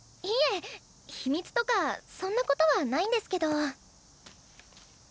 いえ秘密とかそんなことはないんですけど。